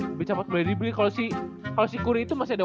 lebih capek bradley bill kalau si kuri itu masih ada